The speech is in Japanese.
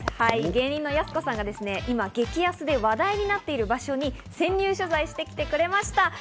芸人のやす子さんが、今激安で話題になっている場所に潜入取材してきてくれました。